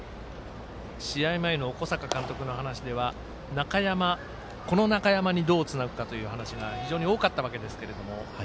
試合前の小坂監督の話では中山にどうつなぐかという話が非常に多かったわけですが。